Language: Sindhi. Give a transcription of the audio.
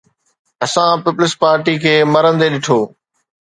اسان پيپلز پارٽي کي مرندي ڏٺو.